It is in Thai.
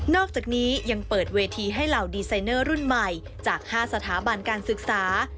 อกจากนี้ยังเปิดเวทีให้เหล่าดีไซเนอร์รุ่นใหม่จาก๕สถาบันการศึกษา